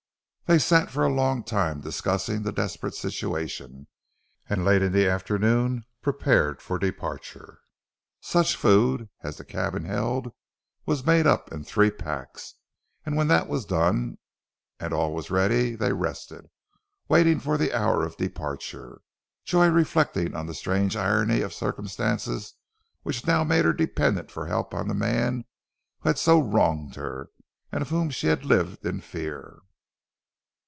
They sat for a long time discussing the desperate situation, and late in the afternoon prepared for departure. Such food as the cabin held was made up in three packs, and when that was done, and all was ready, they rested, waiting for the hour of departure, Joy reflecting on the strange irony of circumstances which now made her dependent for help on the man who had so wronged her, and of whom she had lived in fear.